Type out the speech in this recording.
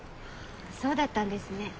そうだったんですね